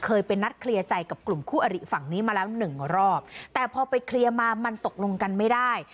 เคยไปนัดเคลียร์ใจกับกลุ่มคู่อริฝั่งนี้มาแล้วหนึ่งรอบแต่พอไปเคลียร์มามันตกลงกันไม่ได้